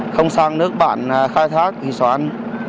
không sang nước bạn khai thác hủy soán